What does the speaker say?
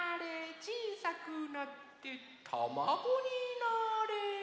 ちいさくなってたまごになれ。